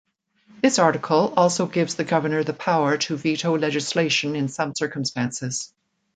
This article also gives the governor the power to veto legislation in some circumstances.